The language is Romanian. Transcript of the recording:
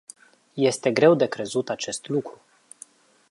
Este greu de crezut acest lucru.